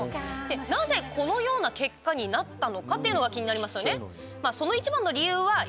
なぜこのような結果になったのかっていうのが気になりますよね。